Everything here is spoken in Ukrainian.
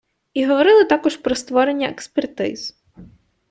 І говорили також про створення експертиз.